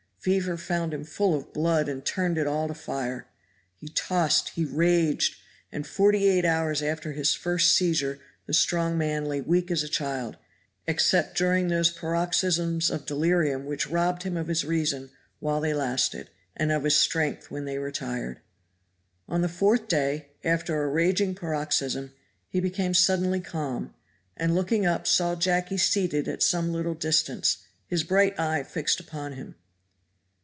Fever found him full of blood and turned it all to fire. He tossed he raged and forty eight hours after his first seizure the strong man lay weak as a child, except during those paroxysms of delirium which robbed him of his reason while they lasted, and of his strength when they retired. On the fourth day after a raging paroxysm he became suddenly calm, and looking up saw Jacky seated at some little distance, his bright eye fixed upon him.